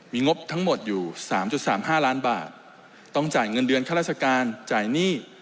มีงบทั้งหมดอยู่๓๓๕ล้านบาทต้องจ่ายเงินเดือนข้าราชการจ่ายหนี้